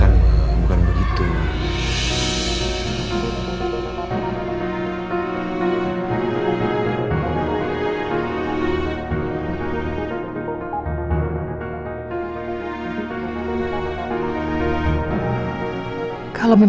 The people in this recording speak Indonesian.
aduh aduh aduh